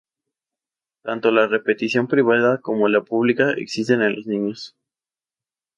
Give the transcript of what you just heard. Tanto la repetición privada como la pública existen en los niños.